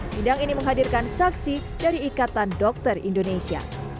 sidang ini menghadirkan saksi dari ikatan dokter indonesia